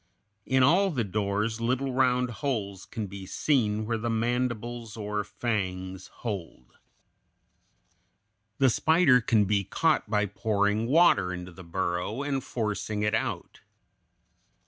In all the doors little round holes can be seen where the mandibles or fangs hold. The spider can be caught by pouring water into the burrow and forcing it out.